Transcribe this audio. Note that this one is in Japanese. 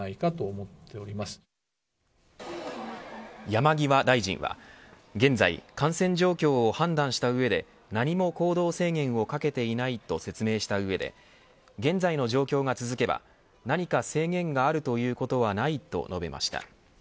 山際大臣は現在、感染状況を判断した上で何も行動制限をかけていないと説明した上で現在の状況が続けば何か制限があるということはないと述べました。